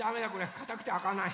かたくてあかない。